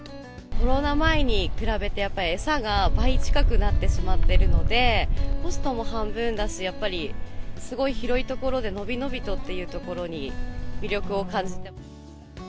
コロナ前に比べて、やっぱり餌が倍近くなってしまっているので、コストも半分だし、やっぱりすごい広い所で伸び伸びとっていうところに、魅力を感じて。